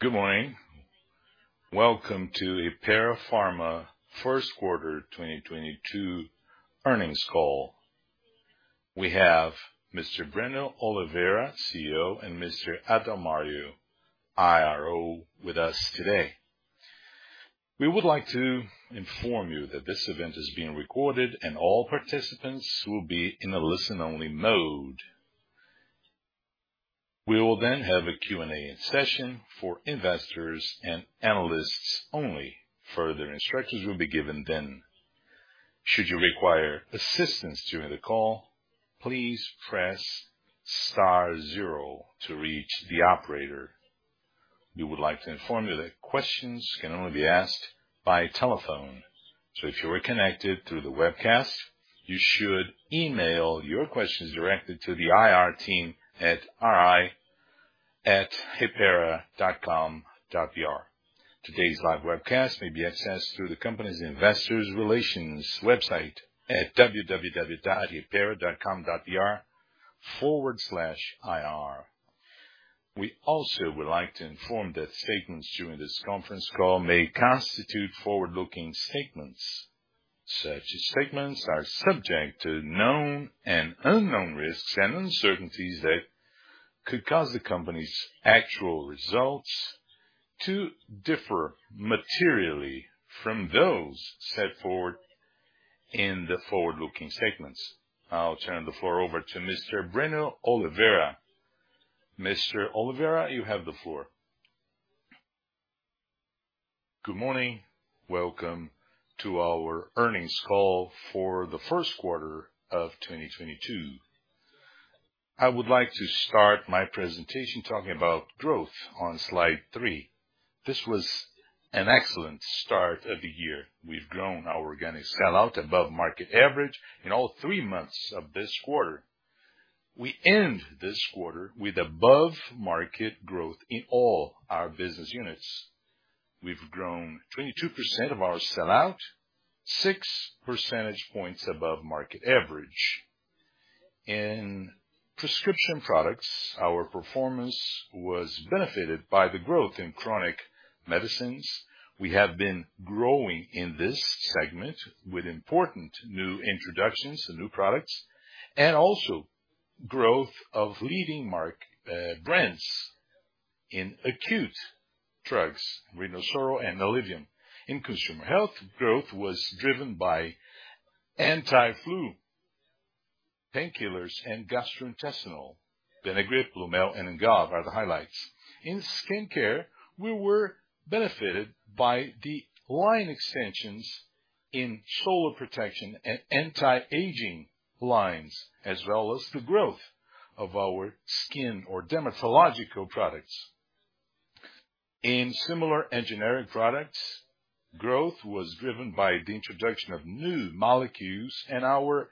Good morning. Welcome to Hypera Pharma First Quarter 2022 Earnings Call. We have Mr. Breno Oliveira, CEO, and Mr. Adalmario, IRO, with us today. We would like to inform you that this event is being recorded and all participants will be in a listen-only mode. We will then have a Q&A session for investors and analysts only. Further instructions will be given then. Should you require assistance during the call, please press star zero to reach the operator. We would like to inform you that questions can only be asked by telephone. If you are connected through the webcast, you should email your questions directly to the IR team at ri@hypera.com.br. Today's live webcast may be accessed through the company's Investors Relations website at www.hypera.com.br/ir. We also would like to inform that statements during this conference call may constitute forward-looking statements. Such statements are subject to known and unknown risks and uncertainties that could cause the company's actual results to differ materially from those set forward in the forward-looking statements. I'll turn the floor over to Mr. Breno Oliveira. Mr. Oliveira, you have the floor. Good morning. Welcome to our earnings call for the first quarter of 2022. I would like to start my presentation talking about growth on slide three. This was an excellent start of the year. We've grown our organic sell out above market average in all three months of this quarter. We end this quarter with above-market growth in all our business units. We've grown 22% of our sell out, six percentage points above market average. In prescription products, our performance was benefited by the growth in chronic medicines. We have been growing in this segment with important new introductions and new products, and also growth of leading market brands in acute drugs, Rinosoro and Alivium. In consumer health, growth was driven by anti-flu painkillers and gastrointestinal. Benegrip, Lumel, and Engov are the highlights. In skincare, we were benefited by the line extensions in solar protection and anti-aging lines, as well as the growth of our skincare or dermatological products. In similar and generic products, growth was driven by the introduction of new molecules and our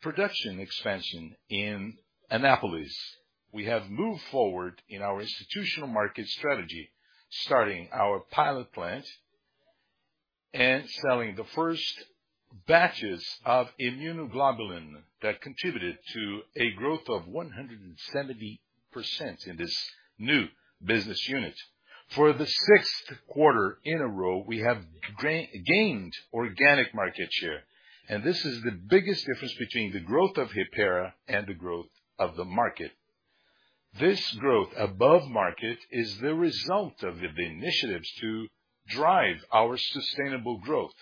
production expansion in Anápolis. We have moved forward in our institutional market strategy, starting our pilot plant and selling the first batches of immunoglobulin that contributed to a growth of 170% in this new business unit. For the sixth quarter in a row, we have gained organic market share, and this is the biggest difference between the growth of Hypera and the growth of the market. This growth above market is the result of the initiatives to drive our sustainable growth,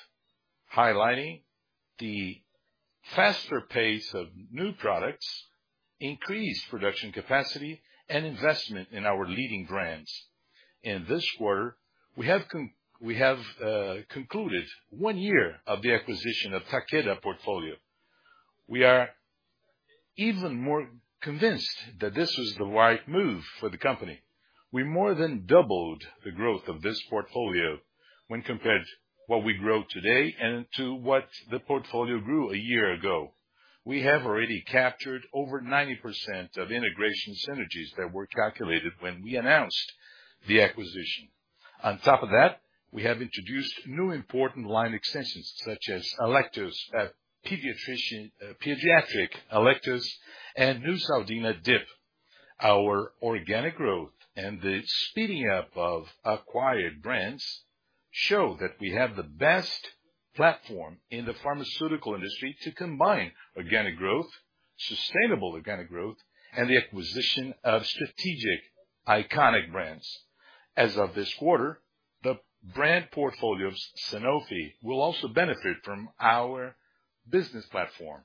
highlighting the faster pace of new products, increased production capacity, and investment in our leading brands. In this quarter, we have concluded one year of the acquisition of Takeda portfolio. We are even more convinced that this was the right move for the company. We more than doubled the growth of this portfolio when compared what we grow today and to what the portfolio grew a year ago. We have already captured over 90% of integration synergies that were calculated when we announced the acquisition. On top of that, we have introduced new important line extensions such as Electus, pediatric Electus and Neosaldina DIP. Our organic growth and the speeding up of acquired brands show that we have the best platform in the pharmaceutical industry to combine organic growth, sustainable organic growth, and the acquisition of strategic iconic brands. As of this quarter, the brand portfolio of Sanofi will also benefit from our business platform.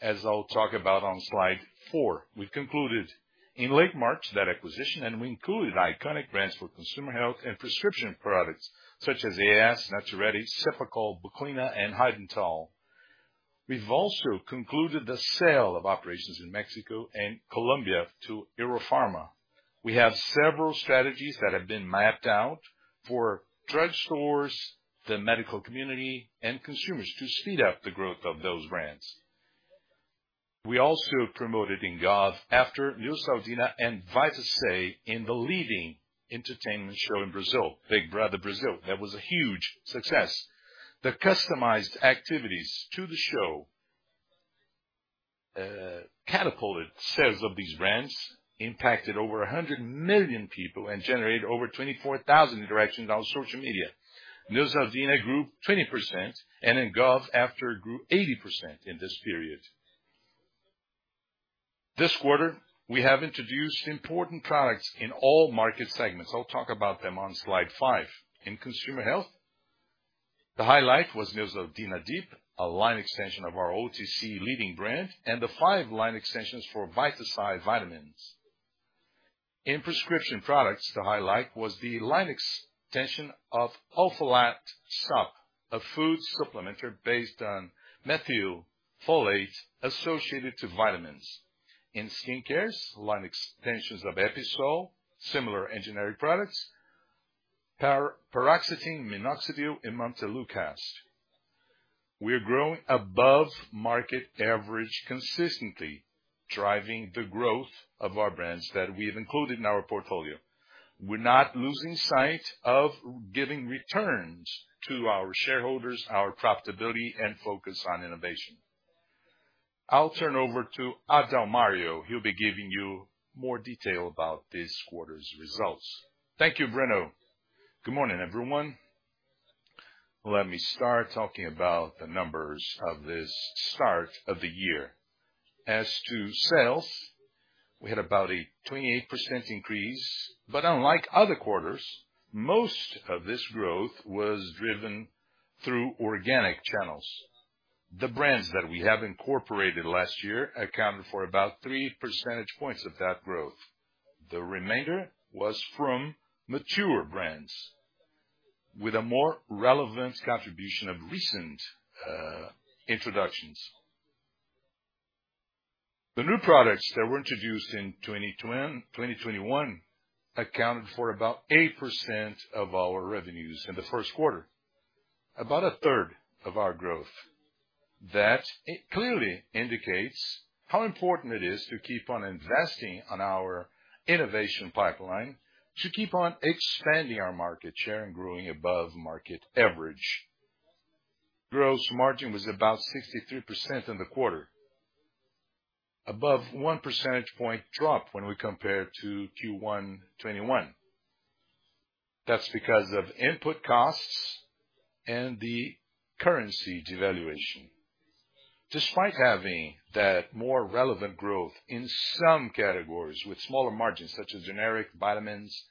As I'll talk about on slide four, we concluded in late March that acquisition, and we included iconic brands for consumer health and prescription products such as AAS, NATURETTI, Cepacol, Buclina, and Hidantal. We've also concluded the sale of operations in Mexico and Colombia to Eurofarma. We have several strategies that have been mapped out for drugstores, the medical community, and consumers to speed up the growth of those brands. We also promoted Engov After, Neosaldina, and Vitasay in the leading entertainment show in Brazil, Big Brother Brasil. That was a huge success. The customized activities to the show catapulted sales of these brands, impacted over 100 million people, and generated over 24,000 interactions on social media. Neosaldina grew 20% and Engov After grew 80% in this period. This quarter, we have introduced important products in all market segments. I'll talk about them on slide five. In consumer health, the highlight was Neosaldina DIP, a line extension of our OTC leading brand, and the five line extensions for Vitasay vitamins. In prescription products, the highlight was the line extension of Ofolato SOP, a food supplement based on methylfolate associated to vitamins. In skin care, line extensions of Episol, similar generic products, piracetam, minoxidil, and montelukast. We are growing above market average, consistently driving the growth of our brands that we have included in our portfolio. We're not losing sight of giving returns to our shareholders, our profitability, and focus on innovation. I'll turn over to Adalmario. He'll be giving you more detail about this quarter's results. Thank you, Breno. Good morning, everyone. Let me start talking about the numbers of this start of the year. As to sales, we had about a 28% increase, but unlike other quarters, most of this growth was driven through organic channels. The brands that we have incorporated last year accounted for about three percentage points of that growth. The remainder was from mature brands with a more relevant contribution of recent introductions. The new products that were introduced in 2021 accounted for about 8% of our revenues in the first quarter, about a third of our growth. That clearly indicates how important it is to keep on investing on our innovation pipeline, to keep on expanding our market share and growing above market average. Gross margin was about 63% in the quarter, a 1 percentage point drop when we compare to Q1 2021. That's because of input costs and the currency devaluation. Despite having that more relevant growth in some categories with smaller margins such as generic vitamins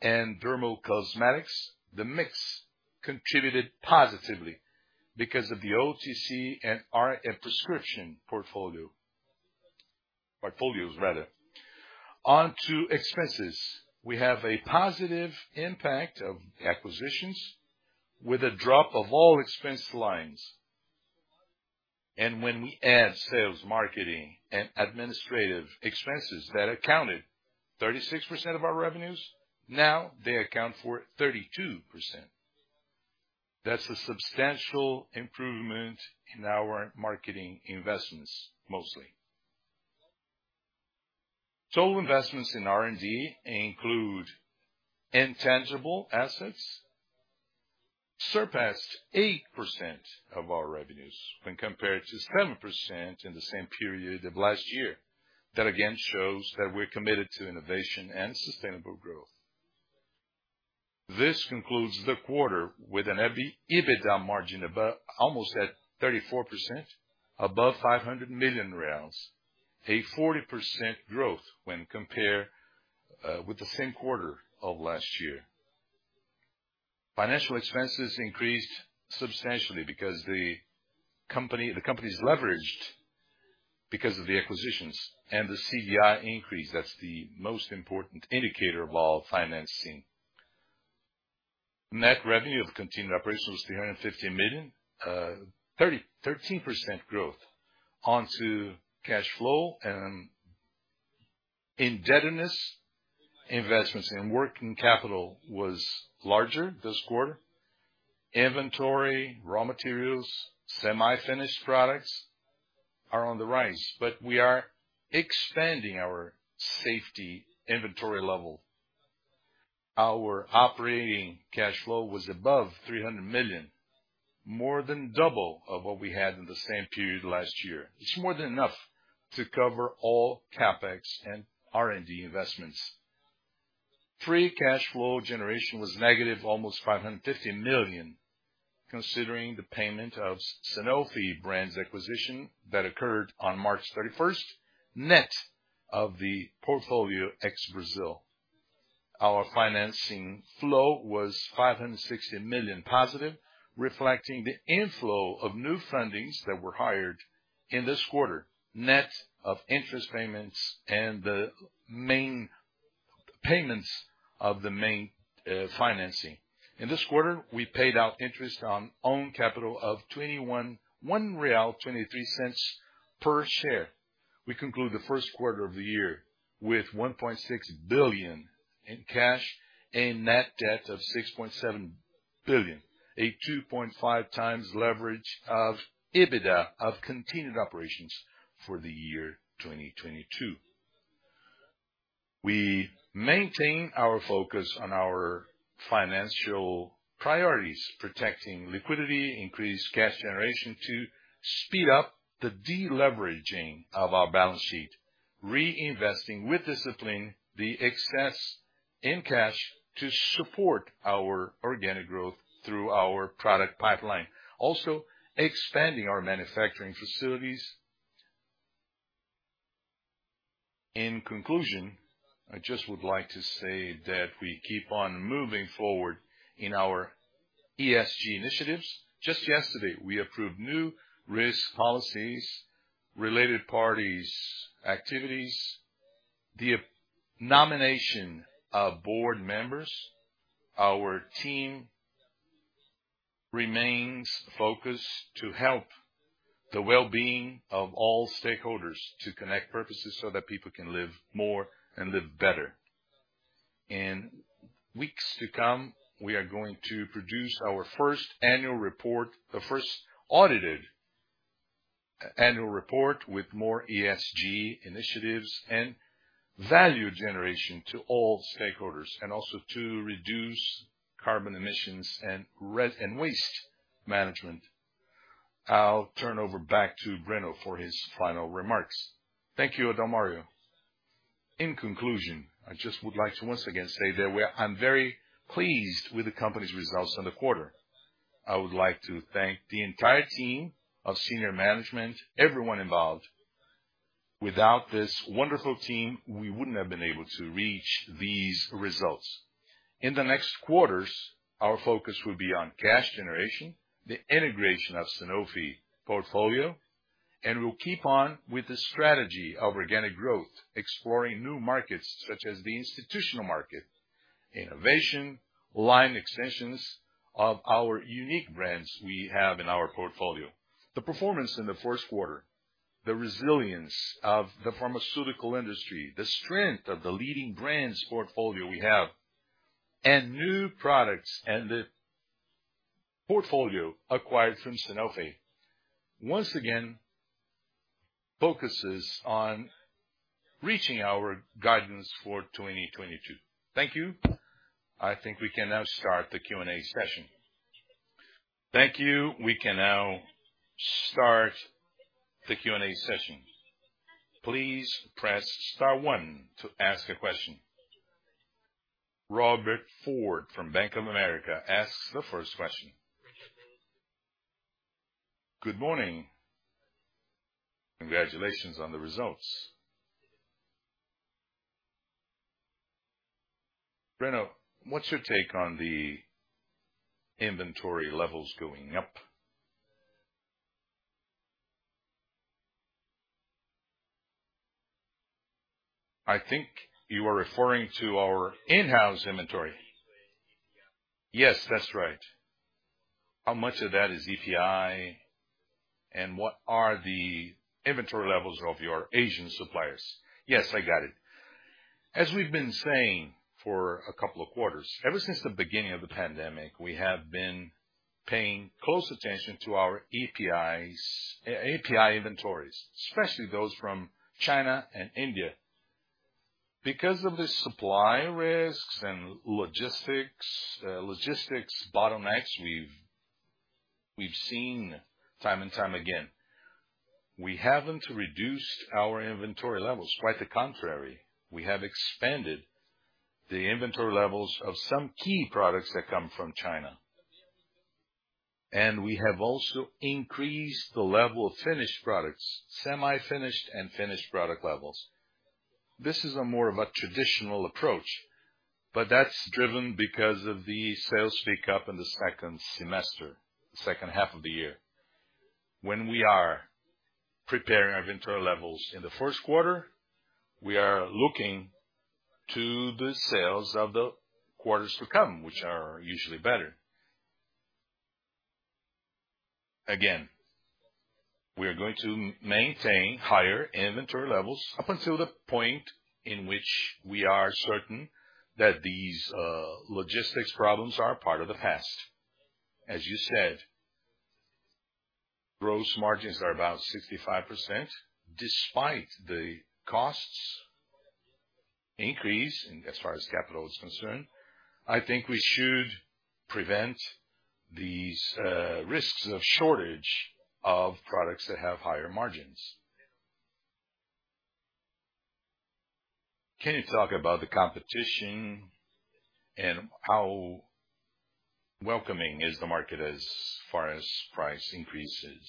and dermocosmetics, the mix contributed positively because of the OTC and our prescription portfolios. On to expenses. We have a positive impact of acquisitions with a drop of all expense lines. When we add sales, marketing, and administrative expenses that accounted 36% of our revenues, now they account for 32%. That's a substantial improvement in our marketing investments, mostly. Total investments in R&D include intangible assets, surpassed 8% of our revenues when compared to 7% in the same period of last year. That again shows that we're committed to innovation and sustainable growth. This concludes the quarter with an EBITDA margin almost at 34% above BRL 500 million, a 40% growth when compared with the same quarter of last year. Financial expenses increased substantially because the company's leveraged because of the acquisitions and the CDI increase, that's the most important indicator of all financing. Net revenue of the continued operations 350 million, 13% growth. On to cash flow and indebtedness investments and working capital was larger this quarter. Inventory, raw materials, semi-finished products are on the rise, but we are expanding our safety inventory level. Our operating cash flow was above 300 million, more than double of what we had in the same period last year. It's more than enough to cover all CapEx and R&D investments. Free cash flow generation was negative, almost 550 million, considering the payment of Sanofi brand's acquisition that occurred on March 31st, net of the portfolio ex-Brazil. Our financing flow was 560 million positive, reflecting the inflow of new fundings that were hired in this quarter, net of interest payments and the main payments of the main financing. In this quarter, we paid out interest on own capital of one real, twenty-three cents per share. We conclude the first quarter of the year with 1.6 billion in cash and net debt of 6.7 billion, a 2.5x leverage of EBITDA of continued operations for the year 2022. We maintain our focus on our financial priorities, protecting liquidity, increase cash generation to speed up the deleveraging of our balance sheet, reinvesting with discipline the excess in cash to support our organic growth through our product pipeline. Also expanding our manufacturing facilities. In conclusion, I just would like to say that we keep on moving forward in our ESG initiatives. Just yesterday, we approved new risk policies, related parties' activities, the nomination of board members. Our team remains focused to help the well-being of all stakeholders to connect purposes so that people can live more and live better. In weeks to come, we are going to produce our first annual report, the first audited annual report, with more ESG initiatives and value generation to all stakeholders, and also to reduce carbon emissions and resources and waste management. I'll turn it back over to Breno for his final remarks. Thank you, Adalmario. In conclusion, I just would like to once again say that I'm very pleased with the company's results in the quarter. I would like to thank the entire team of senior management, everyone involved. Without this wonderful team, we wouldn't have been able to reach these results. In the next quarters, our focus will be on cash generation, the integration of Sanofi portfolio, and we'll keep on with the strategy of organic growth, exploring new markets such as the institutional market, innovation, line extensions of our unique brands we have in our portfolio. The performance in the first quarter, the resilience of the pharmaceutical industry, the strength of the leading brands portfolio we have, and new products and the portfolio acquired from Sanofi once again focuses on reaching our guidance for 2022. Thank you. I think we can now start the Q&A session. Thank you. We can now start the Q&A session. Please press star one to ask a question. Robert Ford from Bank of America asks the first question. Good morning. Congratulations on the results. Breno, what's your take on the inventory levels going up? I think you are referring to our in-house inventory. Yes, that's right. How much of that is API, and what are the inventory levels of your Asian suppliers? Yes, I got it. As we've been saying for a couple of quarters, ever since the beginning of the pandemic, we have been paying close attention to our APIs, API inventories, especially those from China and India. Because of the supply risks and logistics bottlenecks we've seen time and time again, we haven't reduced our inventory levels. Quite the contrary, we have expanded the inventory levels of some key products that come from China. We have also increased the level of finished products, semi-finished and finished product levels. This is a more of a traditional approach, but that's driven because of the sales pick-up in the second semester, second half of the year. When we are preparing our inventory levels in the first quarter, we are looking to the sales of the quarters to come, which are usually better. Again, we are going to maintain higher inventory levels up until the point in which we are certain that these logistics problems are part of the past. As you said, gross margins are about 65%, despite the costs increase as far as capital is concerned. I think we should prevent these risks of shortage of products that have higher margins. Can you talk about the competition and how welcoming is the market as far as price increases?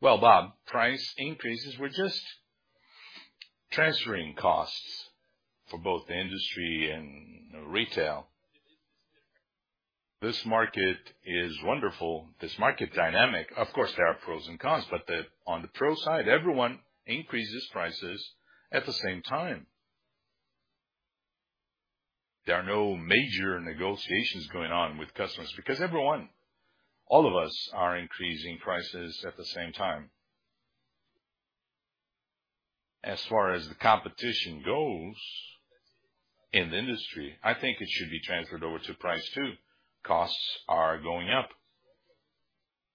Well, Bob, price increases, we're just transferring costs for both the industry and retail. This market is wonderful. This market dynamic, of course, there are pros and cons, but the. On the pro side, everyone increases prices at the same time. There are no major negotiations going on with customers because everyone, all of us are increasing prices at the same time. As far as the competition goes in the industry, I think it should be transferred over to price too. Costs are going up.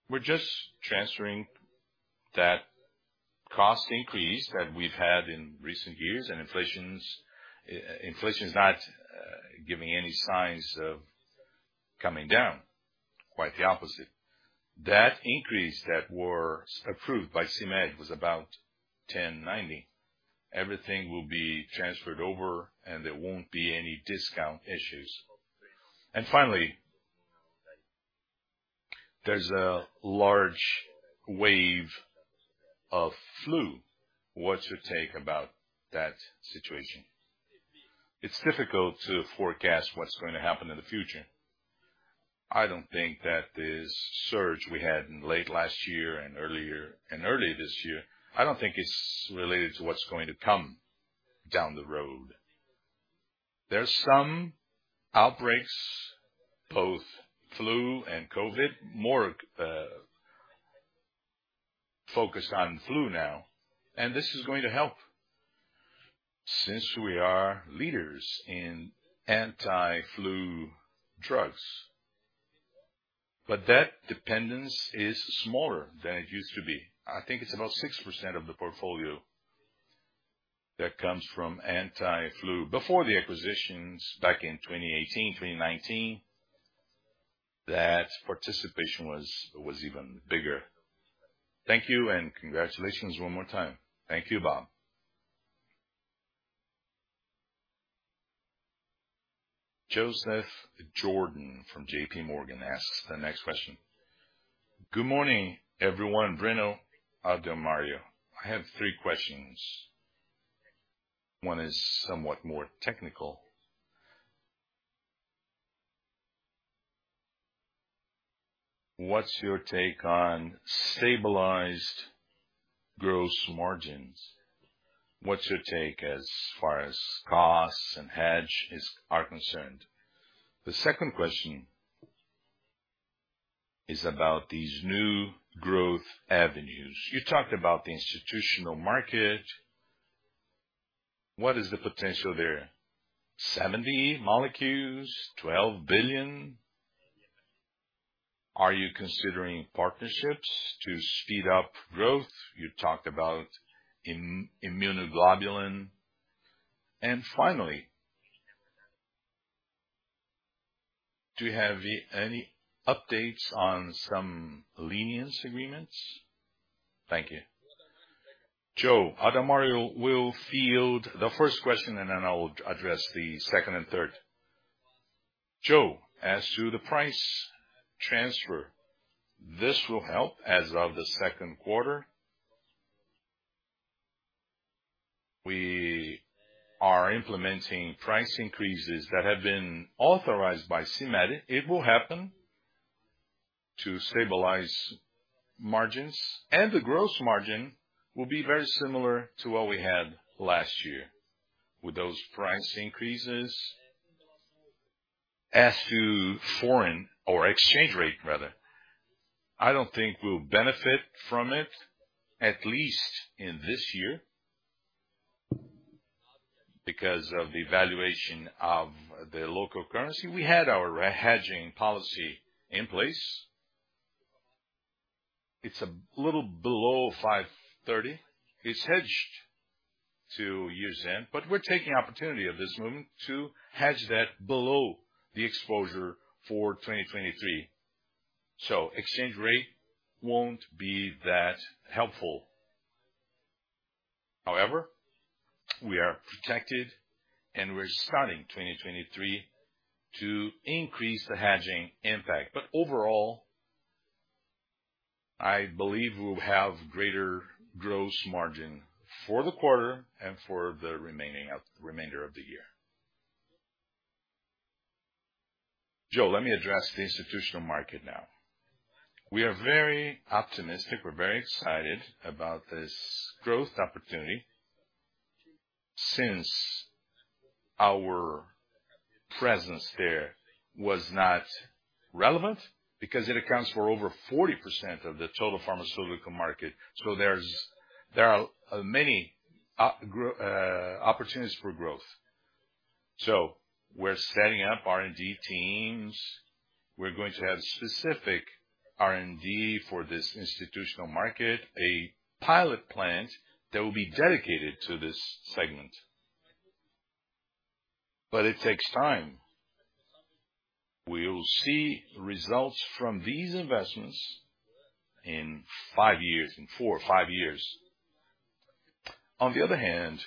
We're just transferring that cost increase that we've had in recent years, and inflation is not giving any signs of coming down, quite the opposite. That increase that were approved by CMED was about 10.9%. Everything will be transferred over, and there won't be any discount issues. Finally, there's a large wave of flu. What's your take about that situation? It's difficult to forecast what's going to happen in the future. I don't think that this surge we had in late last year and earlier, and early this year, I don't think it's related to what's going to come down the road. There's some outbreaks, both flu and COVID, more focused on flu now, and this is going to help since we are leaders in anti-flu drugs. That dependence is smaller than it used to be. I think it's about 6% of the portfolio that comes from anti-flu. Before the acquisitions back in 2018, 2019, that participation was even bigger. Thank you, and congratulations one more time. Thank you, Bob. Joseph Giordano from JPMorgan asks the next question. Good morning, everyone, Breno, Adalmario. I have three questions. One is somewhat more technical. What's your take on stabilized gross margins? What's your take as far as costs and hedges are concerned? The second question is about these new growth avenues. You talked about the institutional market. What is the potential there? 70 molecules, 12 billion. Are you considering partnerships to speed up growth? You talked about immunoglobulin. Finally, do you have any updates on some licensing agreements? Thank you. Joe, Adalmario will field the first question, and then I'll address the second and third. Joe, as to the price transfer, this will help as of the second quarter. We are implementing price increases that have been authorized by CMED. It will help to stabilize margins, and the gross margin will be very similar to what we had last year with those price increases. As to foreign exchange rate rather, I don't think we'll benefit from it, at least in this year, because of the devaluation of the local currency. We had our hedging policy in place. It's a little below 5.30. It's hedged to 5.30 using, but we're taking the opportunity of this moment to hedge that below the exposure for 2023. Exchange rate won't be that helpful. However, we are protected, and we're starting 2023 to increase the hedging impact. Overall, I believe we'll have greater gross margin for the quarter and for the remainder of the year. Joe, let me address the institutional market now. We are very optimistic, we're very excited about this growth opportunity since our presence there was not relevant because it accounts for over 40% of the total pharmaceutical market. There are many opportunities for growth. We're setting up R&D teams. We're going to have specific R&D for this institutional market, a pilot plant that will be dedicated to this segment. It takes time. We'll see results from these investments in five years, in four or five years. On the other hand,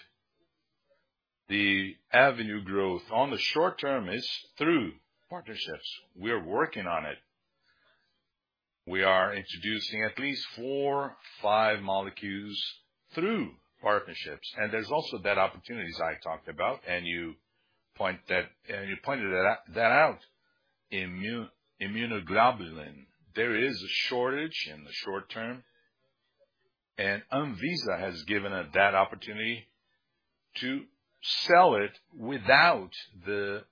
the avenue growth on the short term is through partnerships. We are working on it. We are introducing at least four, five molecules through partnerships. There's also that opportunity I talked about, and you pointed that out. Immunoglobulin, there is a shortage in the short term. Anvisa has given us that opportunity to sell it without the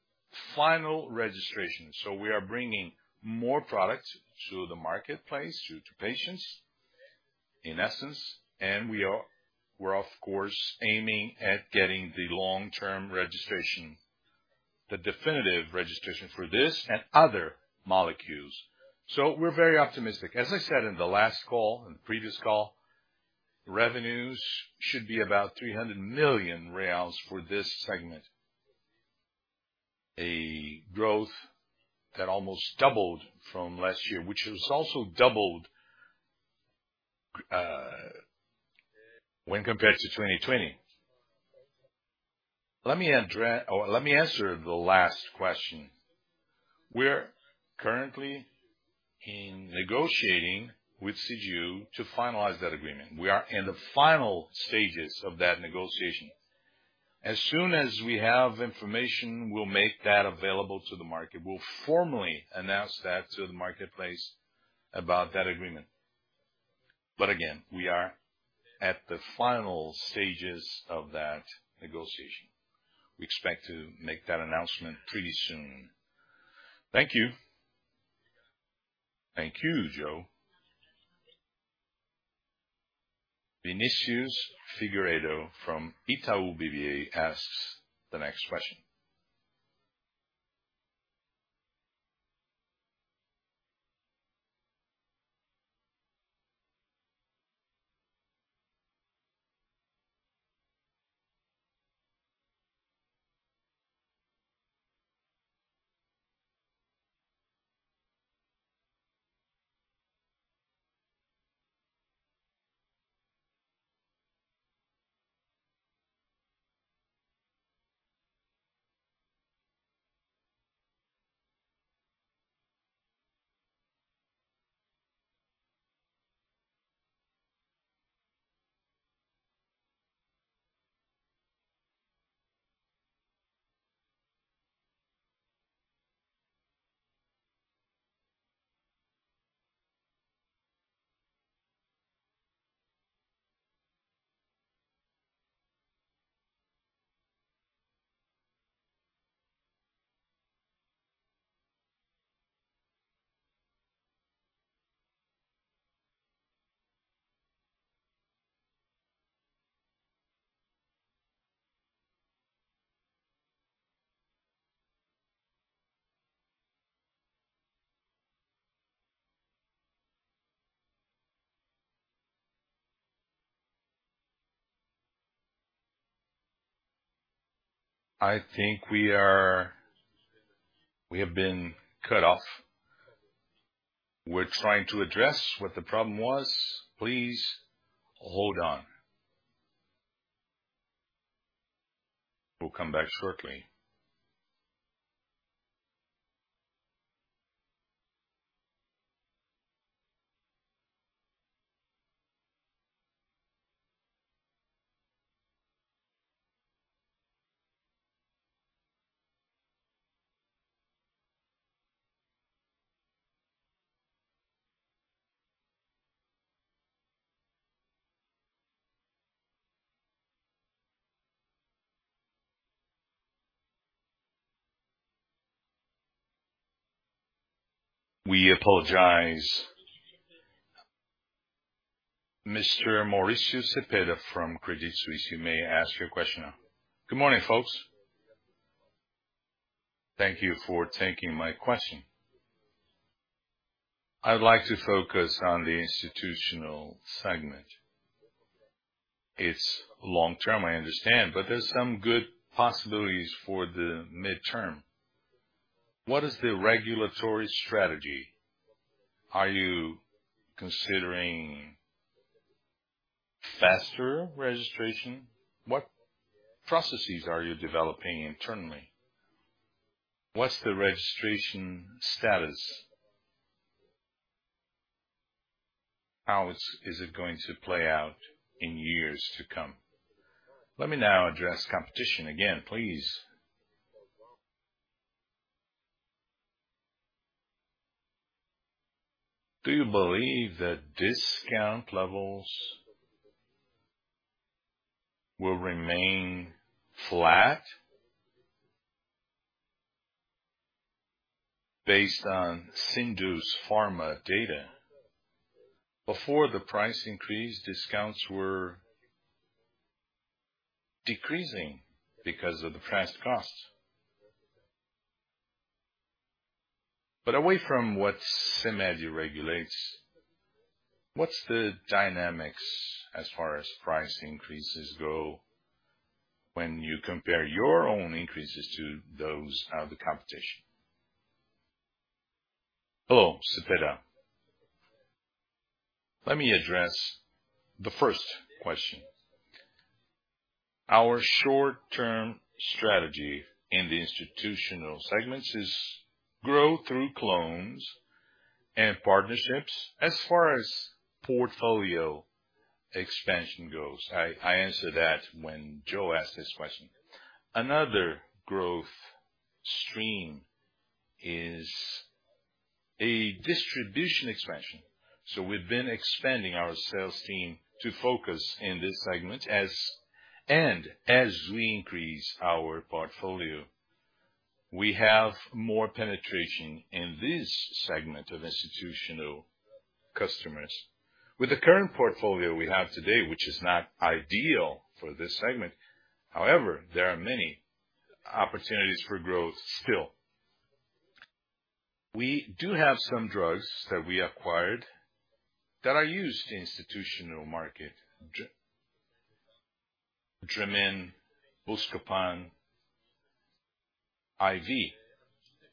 final registration. We are bringing more products to the marketplace, to patients. In essence, we're of course aiming at getting the long-term registration, the definitive registration for this and other molecules. We're very optimistic. As I said in the previous call, revenues should be about 300 million reais for this segment. A growth that almost doubled from last year, which has also doubled when compared to 2020. Let me answer the last question. We're currently negotiating with CGU to finalize that agreement. We are in the final stages of that negotiation. As soon as we have information, we'll make that available to the market. We'll formally announce that to the marketplace about that agreement. Again, we are at the final stages of that negotiation. We expect to make that announcement pretty soon. Thank you. Thank you, Joe. Vinicius Figueiredo from Itaú BBA asks the next question. I think we have been cut off. We're trying to address what the problem was. Please hold on. We'll come back shortly. We apologize. Mr. Mauricio Cepeda from Credit Suisse, you may ask your question now. Good morning, folks. Thank you for taking my question. I'd like to focus on the institutional segment. It's long-term, I understand, but there's some good possibilities for the midterm. What is the regulatory strategy? Are you considering faster registration? What processes are you developing internally? What's the registration status? How is it going to play out in years to come? Let me now address competition again, please. Do you believe that discount levels will remain flat based on Sindusfarma data? Before the price increase, discounts were decreasing because of the price cost. Away from what CMED regulates, what's the dynamics as far as price increases go when you compare your own increases to those of the competition? Hello, Cepeda. Let me address the first question. Our short-term strategy in the institutional segments is grow through clones and partnerships as far as portfolio expansion goes. I answered that when Joe asked his question. Another growth stream is a distribution expansion. We've been expanding our sales team to focus in this segment as we increase our portfolio. We have more penetration in this segment of institutional customers with the current portfolio we have today, which is not ideal for this segment. However, there are many opportunities for growth still. We do have some drugs that we acquired that are used in institutional market, Dramin, Buscopan, IV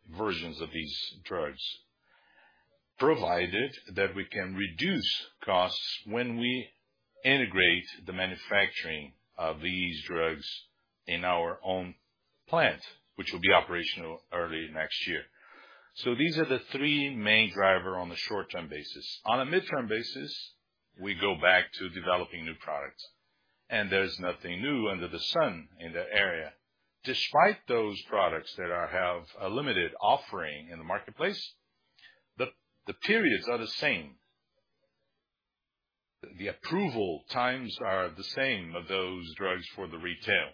versions of these drugs, provided that we can reduce costs when we integrate the manufacturing of these drugs in our own plant, which will be operational early next year. These are the three main driver on the short-term basis. On a midterm basis, we go back to developing new products, and there's nothing new under the sun in that area. Despite those products have a limited offering in the marketplace, the periods are the same. The approval times are the same of those drugs for the retail.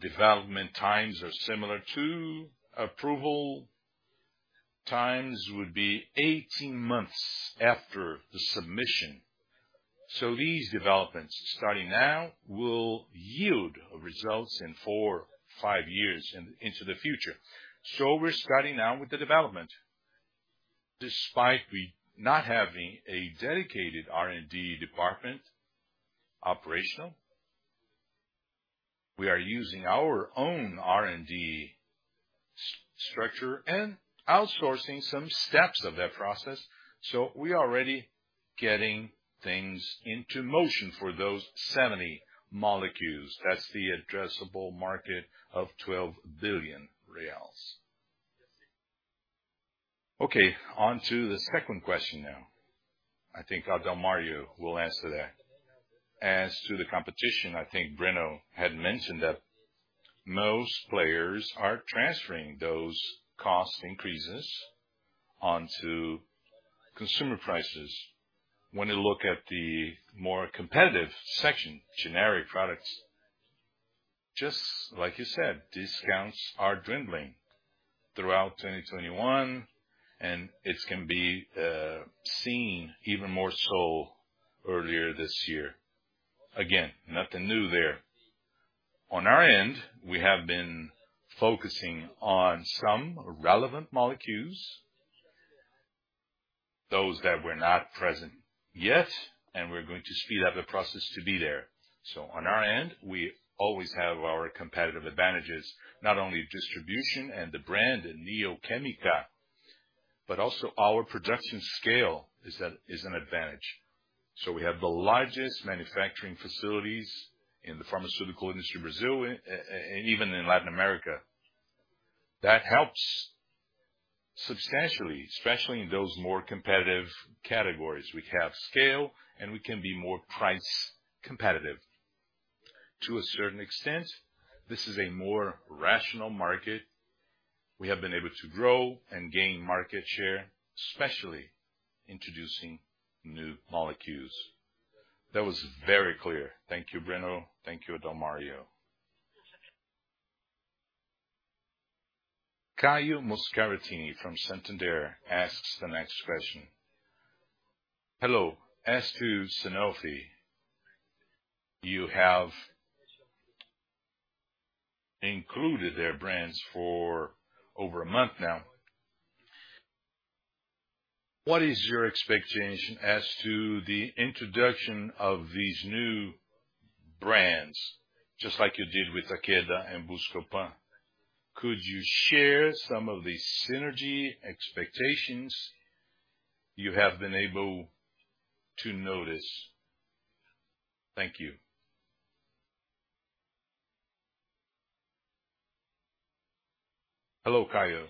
Development times are similar to approval times would be 18 months after the submission. These developments, starting now, will yield results in four, five years into the future. We're starting now with the development. Despite we not having a dedicated R&D department operational, we are using our own R&D structure and outsourcing some steps of that process. We are already getting things into motion for those 70 molecules. That's the addressable market of 12 billion reais. Okay, on to the second question now. I think Adalmario will answer that. As to the competition, I think Breno had mentioned that most players are transferring those cost increases onto consumer prices. When you look at the more competitive section, generic products, just like you said, discounts are dwindling throughout 2021, and it can be seen even more so earlier this year. Again, nothing new there. On our end, we have been focusing on some relevant molecules, those that were not present yet, and we're going to speed up the process to be there. On our end, we always have our competitive advantages, not only distribution and the brand in Neo Química, but also our production scale is an advantage. We have the largest manufacturing facilities in the pharmaceutical industry in Brazil, and even in Latin America. That helps substantially, especially in those more competitive categories. We have scale, and we can be more price competitive. To a certain extent, this is a more rational market. We have been able to grow and gain market share, especially introducing new molecules. That was very clear. Thank you, Breno. Thank you, Adalmario. Caio Moscardini from Santander asks the next question. Hello. As to Sanofi, you have included their brands for over a month now. What is your expectation as to the introduction of these new brands, just like you did with Takeda and Buscopan? Could you share some of the synergy expectations you have been able to notice? Thank you. Hello, Caio.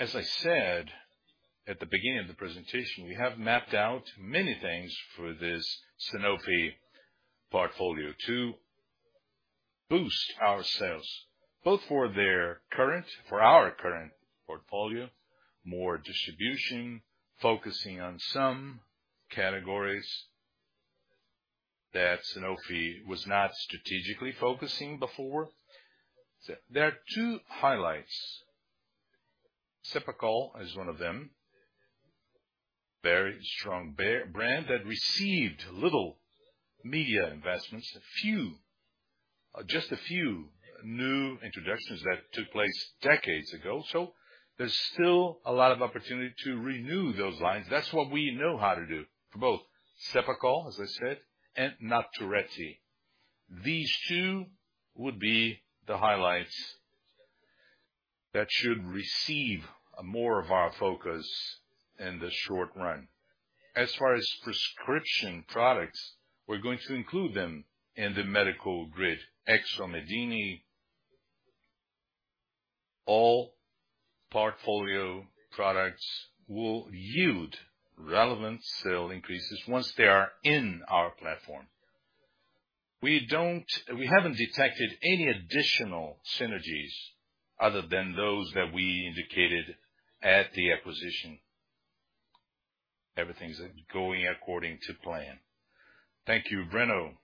As I said at the beginning of the presentation, we have mapped out many things for this Sanofi portfolio to boost our sales, both for our current portfolio, more distribution, focusing on some categories that Sanofi was not strategically focusing before. There are two highlights. Cepacol is one of them. Very strong brand that received little media investments, a few, just a few new introductions that took place decades ago. So there's still a lot of opportunity to renew those lines. That's what we know how to do for both Cepacol, as I said, and NATURETTI. These two would be the highlights that should receive more of our focus in the short run. As far as prescription products, we're going to include them in the medical grid, Hexomedine. All portfolio products will yield relevant sale increases once they are in our platform. We haven't detected any additional synergies other than those that we indicated at the acquisition. Everything's going according to plan. Thank you, Breno.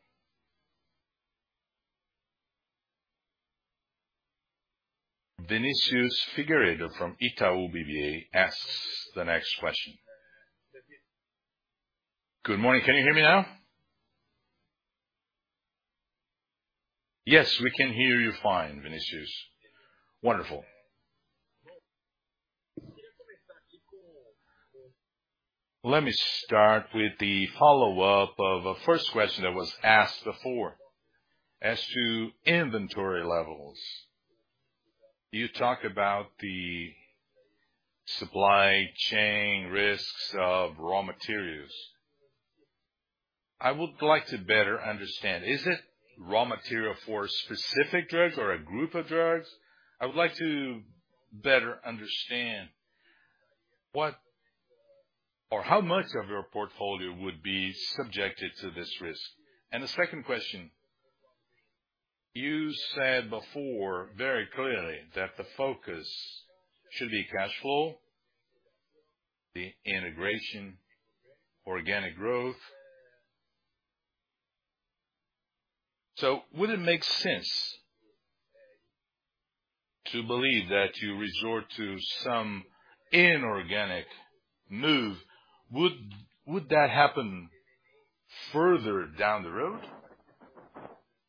Vinicius Figueiredo from Itaú BBA asks the next question. Good morning. Can you hear me now? Yes, we can hear you fine, Vinicius. Wonderful. Let me start with the follow-up of a first question that was asked before as to inventory levels. You talk about the supply chain risks of raw materials. I would like to better understand, is it raw material for specific drugs or a group of drugs? I would like to better understand what or how much of your portfolio would be subjected to this risk. The second question, you said before very clearly that the focus should be cash flow, the integration, organic growth. Would it make sense to believe that you resort to some inorganic move? Would that happen further down the road?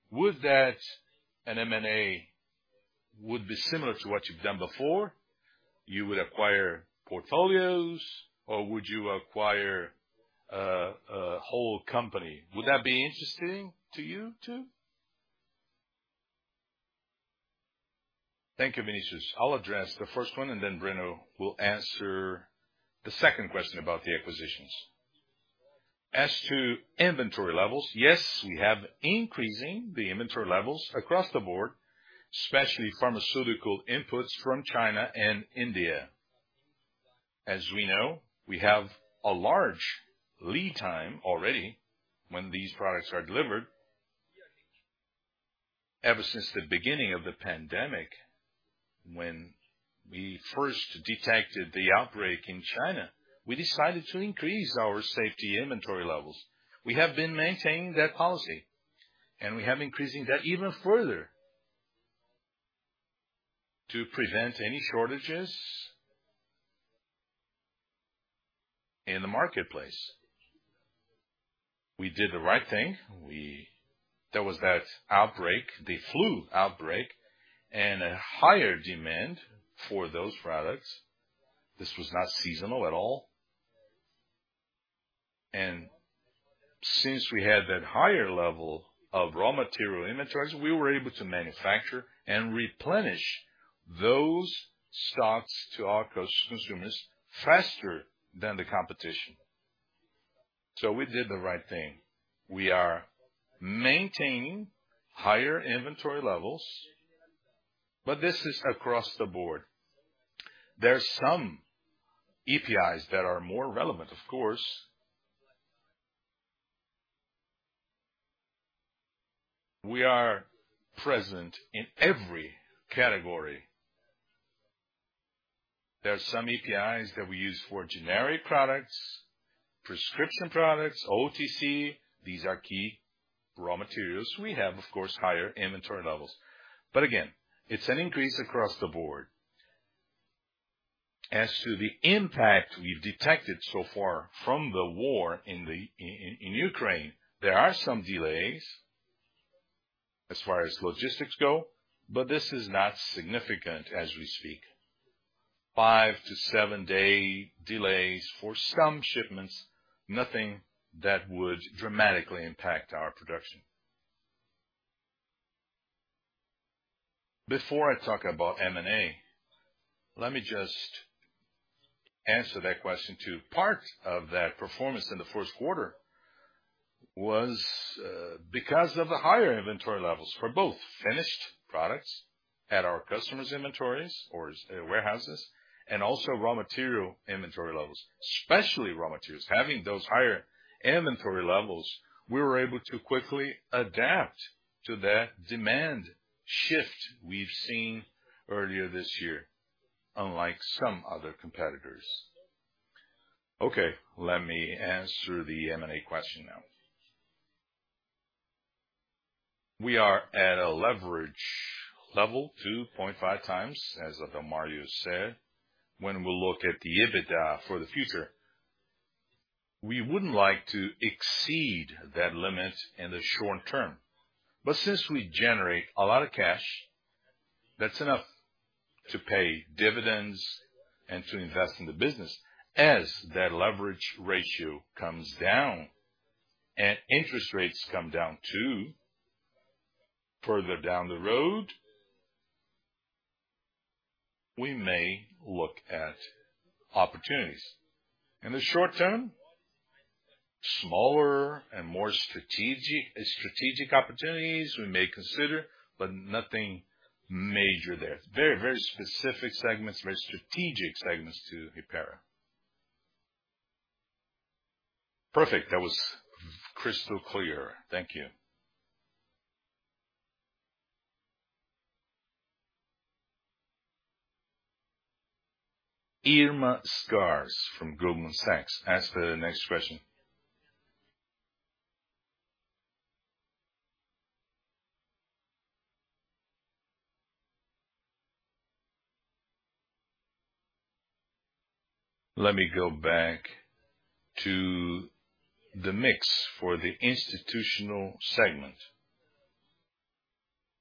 Would an M&A be similar to what you've done before? You would acquire portfolios, or would you acquire a whole company? Would that be interesting to you, too? Thank you, Vinicius. I'll address the first one, and then Breno will answer the second question about the acquisitions. As to inventory levels, yes, we have increasing the inventory levels across the board, especially pharmaceutical inputs from China and India. As we know, we have a large lead time already when these products are delivered. Ever since the beginning of the pandemic, when we first detected the outbreak in China, we decided to increase our safety inventory levels. We have been maintaining that policy, and we have increasing that even further to prevent any shortages in the marketplace. We did the right thing. There was that outbreak, the flu outbreak, and a higher demand for those products. This was not seasonal at all. Since we had that higher level of raw material inventories, we were able to manufacture and replenish those stocks to our consumers faster than the competition. We did the right thing. We are maintaining higher inventory levels, but this is across the board. There's some APIs that are more relevant, of course. We are present in every category. There are some APIs that we use for generic products, prescription products, OTC. These are key raw materials. We have, of course, higher inventory levels. Again, it's an increase across the board. As to the impact we've detected so far from the war in Ukraine, there are some delays as far as logistics go, but this is not significant as we speak. 5-7-day delays for some shipments, nothing that would dramatically impact our production. Before I talk about M&A, let me just answer that question too. Part of that performance in the first quarter was because of the higher inventory levels for both finished products at our customers' inventories or warehouses and also raw material inventory levels, especially raw materials. Having those higher inventory levels, we were able to quickly adapt to that demand shift we've seen earlier this year, unlike some other competitors. Okay, let me answer the M&A question now. We are at a leverage level 2.5x, as Adalmario said, when we look at the EBITDA for the future. We wouldn't like to exceed that limit in the short term. Since we generate a lot of cash, that's enough to pay dividends and to invest in the business. As that leverage ratio comes down and interest rates come down too, further down the road, we may look at opportunities. In the short term, smaller and more strategic opportunities we may consider, but nothing major there. Very specific segments, strategic segments to Hypera. Perfect. That was crystal clear. Thank you. Irma Sgarz from Goldman Sachs asks the next question. Let me go back to the mix for the institutional segment.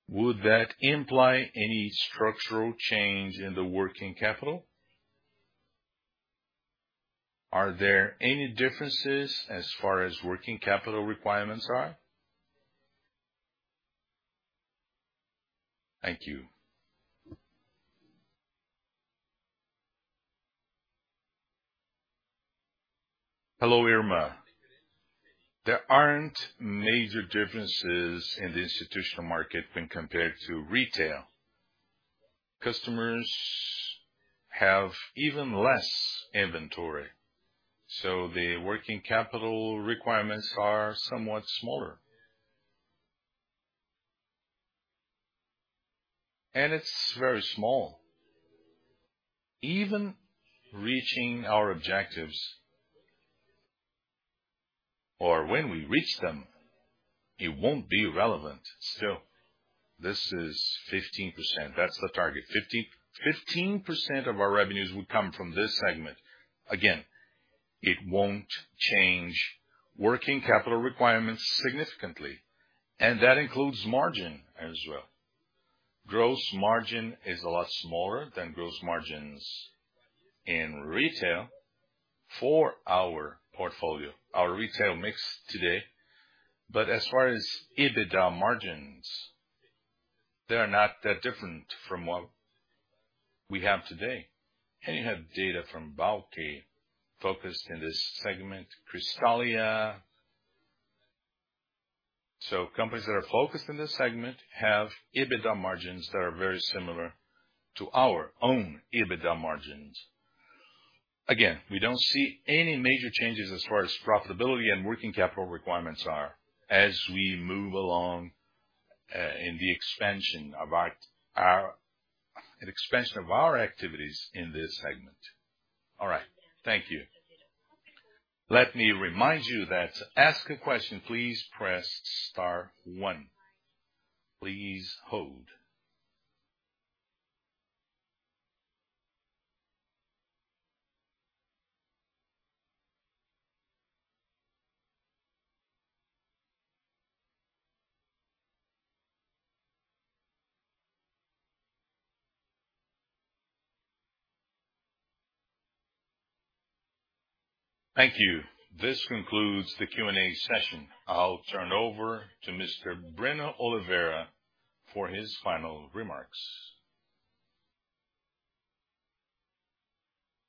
Would that imply any structural change in the working capital? Are there any differences as far as working capital requirements are? Thank you. Hello, Irma. There aren't major differences in the institutional market when compared to retail. Customers have even less inventory, so the working capital requirements are somewhat smaller. It's very small. Even reaching our objectives or when we reach them, it won't be relevant. Still, this is 15%. That's the target. 15% of our revenues will come from this segment. Again, it won't change working capital requirements significantly, and that includes margin as well. Gross margin is a lot smaller than gross margins in retail for our portfolio, our retail mix today. As far as EBITDA margins, they are not that different from what we have today. You have data from Blau focused in this segment, Cristália. Companies that are focused in this segment have EBITDA margins that are very similar to our own EBITDA margins. Again, we don't see any major changes as far as profitability and working capital requirements are as we move along in the expansion of our activities in this segment. All right, thank you. Let me remind you that to ask a question, please press star one. Please hold. Thank you. This concludes the Q&A session. I'll turn over to Mr. Breno Oliveira for his final remarks.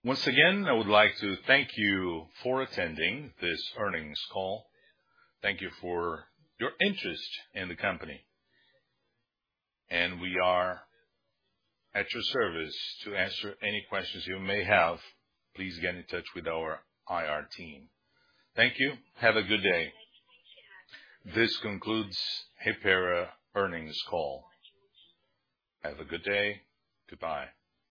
Once again, I would like to thank you for attending this earnings call. Thank you for your interest in the company. We are at your service to answer any questions you may have. Please get in touch with our IR team. Thank you. Have a good day. This concludes Hypera earnings call. Have a good day. Goodbye.